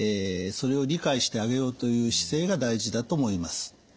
それを理解してあげようという姿勢が大事だと思います。